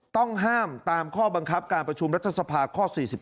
ต้องห้ามตามข้อบังคับการประชุมรัฐสภาข้อ๔๙